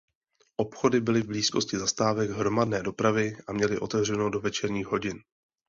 Obchody byly v blízkosti zastávek hromadné dopravy a měly otevřeno do večerních hodin.